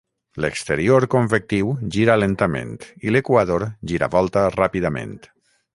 L'exterior convectiu gira lentament i l'equador giravolta ràpidament.